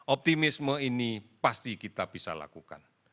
optimisme ini pasti kita bisa lakukan